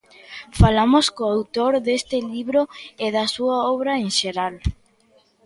Falamos co autor deste libro e da súa obra en xeral.